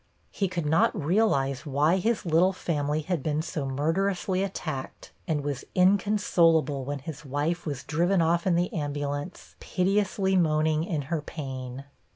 He could not realize why his little family had been so murderously attacked, and was inconsolable when his wife was driven off in the ambulance piteously moaning in her pain.